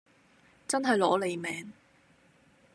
真係攞你命